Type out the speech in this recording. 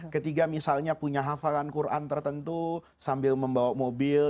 ketiga misalnya punya hafalan quran tertentu sambil membawa mobil